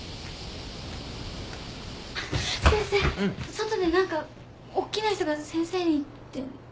外で何かおっきな人が先生にって。